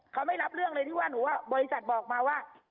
เขาไม่รับเรื่องเลยที่ว่าหนูว่าบริษัทบอกมาว่า